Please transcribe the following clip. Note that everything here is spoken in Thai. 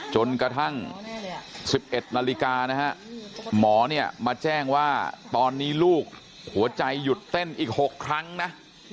จนกระทั่ง๑๑นาฬิกานะฮะหมอเนี่ยมาแจ้งว่าตอนนี้ลูกหัวใจหยุดเต้นอีก๖ครั้งนะ